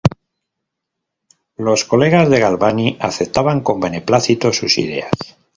Los colegas de Galvani aceptaban con beneplácito sus ideas.